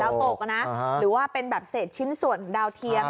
ตกนะหรือว่าเป็นแบบเศษชิ้นส่วนดาวเทียม